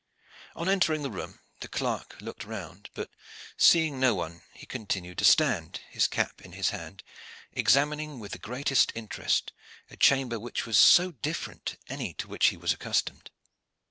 On entering the room the clerk looked round; but, seeing no one, he continued to stand, his cap in his hand, examining with the greatest interest a chamber which was so different to any to which he was accustomed.